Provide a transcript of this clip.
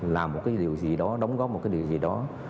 làm một cái điều gì đó đóng góp một cái điều gì đó